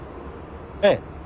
ええ。